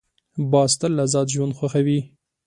باز تل آزاد ژوند خوښوي